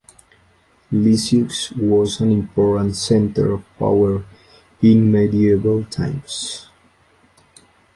Lisieux was an important center of power in medieval times.